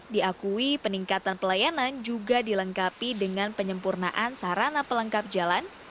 diakui peningkatan pelayanan juga dilengkapi dengan penyempurnaan sarana pelengkap jalan